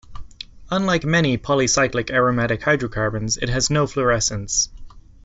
Unlike many polycyclic aromatic hydrocarbons, it has no fluorescence.